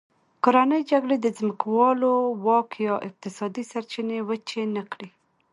کورنۍ جګړې د ځمکوالو واک یا اقتصادي سرچینې وچې نه کړې.